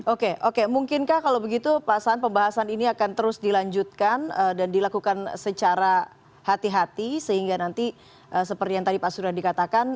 oke oke mungkinkah kalau begitu pak saan pembahasan ini akan terus dilanjutkan dan dilakukan secara hati hati sehingga nanti seperti yang tadi pak suradi katakan